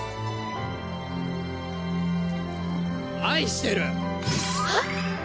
愛してる！はっ！？